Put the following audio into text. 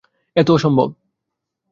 এ তো অসম্ভব।